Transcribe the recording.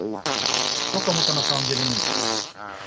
что кому-то на самом деле нужно